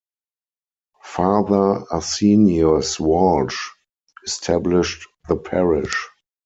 Father Arsenius Walsh established the parish.